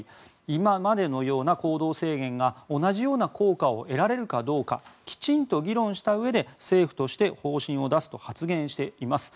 今までのような行動制限が同じような効果を得られるかどうかきちんと議論したうえで政府として方針を出すと発言しています。